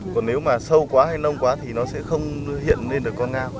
còn nếu mà sâu quá hay nông quá thì nó sẽ không hiện lên được con ngao